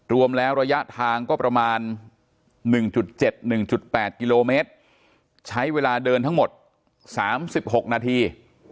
รวมแล้วระยะทางก็ประมาณหนึ่งจุดเจ็ดหนึ่งจุดแปดกิโลเมตรใช้เวลาเดินทั้งหมดสามสิบหกนาที